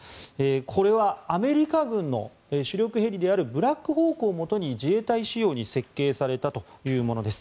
これはアメリカ軍の主力ヘリであるブラックホークをもとに自衛隊仕様に設計されたものです。